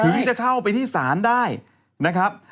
ที่จะเข้าไปที่ศาลได้นะครับ